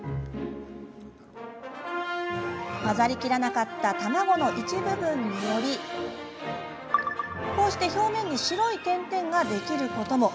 混ざりきらなかった卵の一部分により表面に白い点々ができることも。